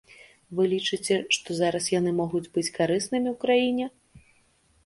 Вы лічыце, што зараз яны могуць быць карыснымі ў краіне?